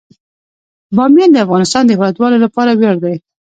بامیان د افغانستان د هیوادوالو لپاره ویاړ دی.